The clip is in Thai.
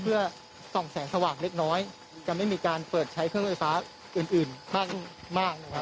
เพื่อส่องแสงสว่างเล็กน้อยจะไม่มีการเปิดใช้เครื่องไฟฟ้าอื่นมากนะครับ